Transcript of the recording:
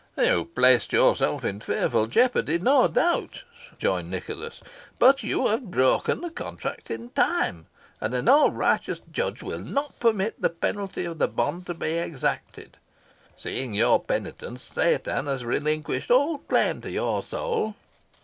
"You placed yourself in fearful jeopardy, no doubt," rejoined Nicholas; "but you have broken the contract in time, and an all righteous judge will not permit the penalty of the bond to be exacted. Seeing your penitence, Satan has relinquished all claim to your soul."